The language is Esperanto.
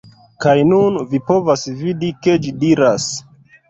Kaj nun, vi povas vidi, ke ĝi diras